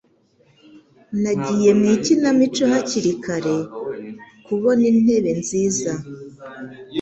Nagiye mu ikinamico hakiri kare kubona intebe nziza.